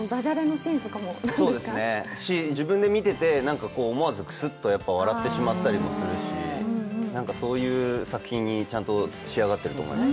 シーン、自分で見てて思わずクスッと笑ったりもするし、そういう作品にちゃんと仕上がってると思います。